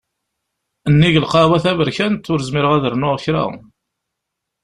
Nnig lqahwa taberkant, ur zmireɣ ad rnuɣ kra.